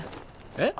えっ？